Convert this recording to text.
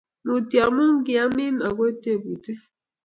Mutyo amu kaimin ago tebutik